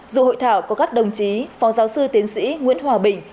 dự hội thảo có các đồng chí phó giáo sư tiến sĩ nguyễn hòa bình